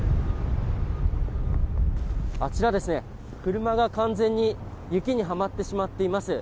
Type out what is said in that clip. あちら、車が完全に雪にはまってしまっています。